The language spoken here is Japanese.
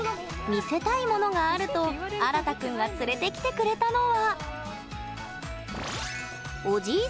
見せたいものがあるとあらたくんが連れてきてくれたのは。